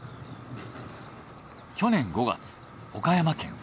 去年５月岡山県。